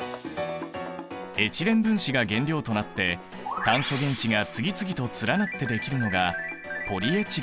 エチレン分子が原料となって炭素原子が次々と連なってできるのがポリエチレンだ。